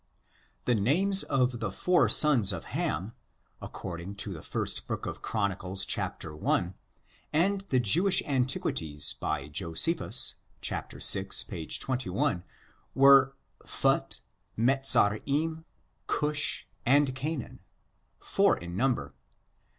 The names of the four sons of Ham^ according to the first book of Chron., chap, i, and the Jewish An tiquities by Josephus, chap, vi, p. 21, were Phut, Mezarim, Cush, and Canaan, four in number.